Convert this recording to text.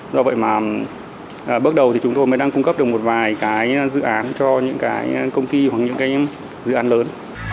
do vậy mà bước đầu thì chúng tôi mới đang cung cấp được một vài cái dự án cho những cái công ty hoặc những cái dự án lớn